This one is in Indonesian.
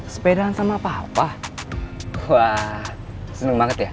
sepedan sama papa wah seneng banget ya